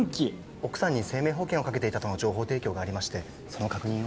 奥さんに生命保険をかけていたとの情報提供がありましてその確認を。